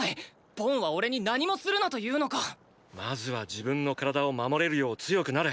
ボンはおれに何もするなと言うのか⁉まずは自分の体を守れるよう強くなれ。